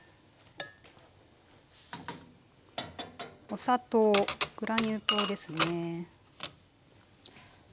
お砂糖グラニュー糖ですね。